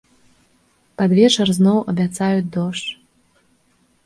Пад вечар зноў абяцаюць дождж.